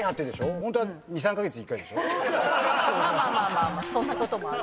まあまあそんなこともある。